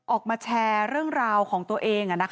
ออกมาแชร์เรื่องราวของตัวเอง